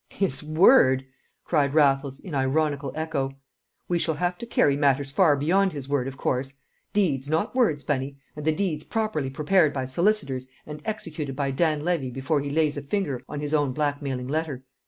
"His word!" cried Raffles, in ironical echo. "We shall have to carry matters far beyond his word, of course; deeds, not words, Bunny, and the deeds properly prepared by solicitors and executed by Dan Levy before he lays a finger on his own blackmailing letter.